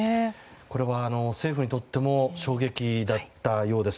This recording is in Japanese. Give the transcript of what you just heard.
これは政府にとっても衝撃だったようです。